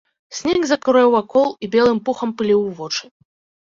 Снег закурэў вакол і белым пухам пыліў у вочы.